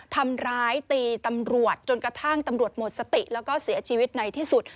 ทำร้ายตีตำรวจจนกระทั่งตำรวจหมดสติแล้วก็เสียชีวิตในที่สุด